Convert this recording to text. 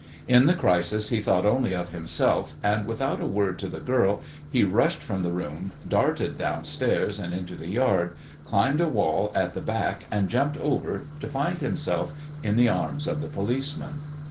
In the crisis he thought only of himself, and, without a word to the girl, he rushed from the room, darted downstairs and into the yard, climbed a wall at the back and jumped over, to find himself in the arms of the policeman.